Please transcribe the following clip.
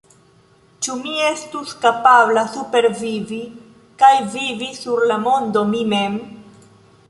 Ĉu mi estus kapabla supervivi kaj vivi sur la mondo mi mem?